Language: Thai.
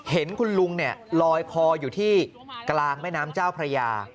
เห็นคุณลุงลอยคออยู่ที่กลางแม่น้ำเจ้าพระยา